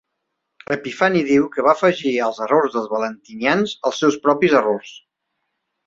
Epifani diu que va afegir als errors dels valentinians els seus propis errors.